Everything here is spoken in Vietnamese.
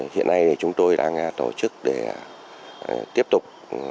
hiện nay chúng tôi đang tổ chức để tiếp tục